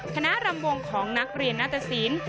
คณะลำวงของนักเรียนนัตรศีล